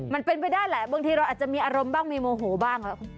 มันเป็นไปได้แหละบางทีเราอาจจะมีอารมณ์บ้างมีโมโหบ้าง